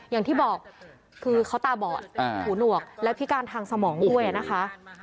อย่างที่บอกคือเขาตาบอดหูหนวกและพิการทางสมองด้วยนะคะ